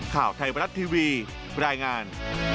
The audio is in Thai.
ข่าวไทยบรัฐทีวีรายงาน